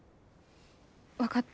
分かった。